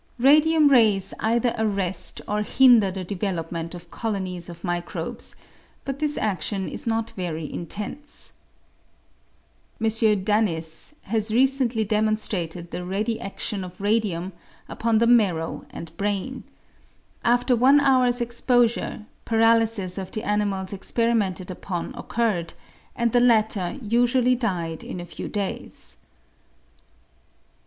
Radium rays either arrest or hinder the development of colonies of microbes, but this adion is not very intense. M. Danysz has recently demonstrated the ready adion of radium upon the marrow and brain. After one hour's exposure paralysis of the animals experimented upon occurred, and the latter usually died in a few days.